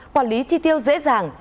quản lý chi tiêu dễ dàng